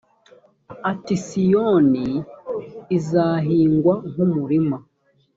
ati siyoni izahingwa nk’ umurima